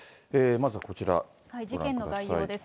事件の概要です。